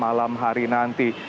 pada malam hari nanti